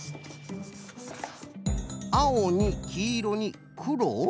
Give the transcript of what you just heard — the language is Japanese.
あおにきいろにくろ？